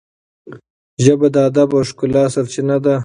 ژبه د ادب او ښکلا سرچینه ده.